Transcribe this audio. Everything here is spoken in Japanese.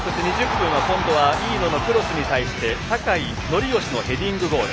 今度は飯野のクロスに対して酒井宣福のヘディングゴール